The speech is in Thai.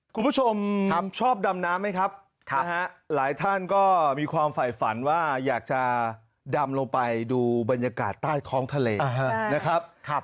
คุณผู้ชมครับชอบดำน้ำไหมครับนะฮะหลายท่านก็มีความฝ่ายฝันว่าอยากจะดำลงไปดูบรรยากาศใต้ท้องทะเลนะครับ